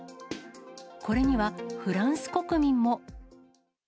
これにはフランス国民も。